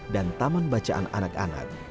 dan taman bacaan anak anak